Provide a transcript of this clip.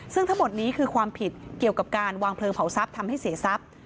ซึ่งทั้งหมดนี้คือความผิดเกี่ยวกับการวางเพลิงเผาทรัพย์ทำให้เสียทรัพย์